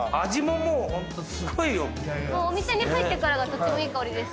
もうお店に入ってからがとってもいい香りですしね。